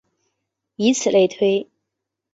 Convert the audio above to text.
以此类推。